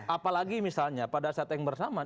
apalagi misalnya pada saat yang bersamaan